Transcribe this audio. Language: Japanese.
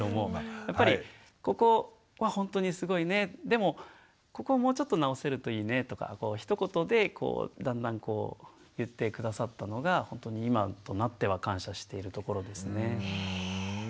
やっぱりここはほんとにすごいねでもここをもうちょっと直せるといいねとかひと言でだんだんこう言って下さったのがほんとに今となっては感謝しているところですね。